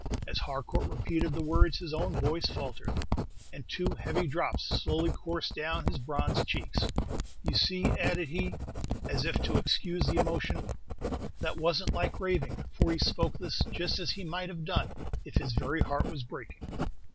As Harcourt repeated the words, his own voice faltered, and two heavy drops slowly coursed down his bronzed cheeks. "You see," added he, as if to excuse the emotion, "that was n't like raving, for he spoke this just as he might have done if his very heart was breaking."